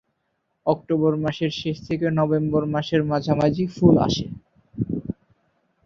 October মাসের শেষ থেকে নভেম্বর মাসের মাঝামাঝি ফুল আসে।